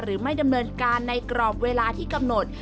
หรือไม่ดำเนินการในกรอบเวลาที่กำหนด